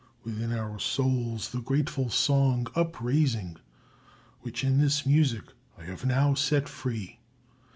Within our souls the grateful song upraising Which in this music I have now set free.